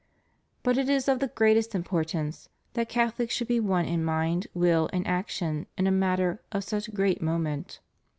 But it is of the greatest impor tance that Catholics should be one in mind, will, and action in a matter of such great moment.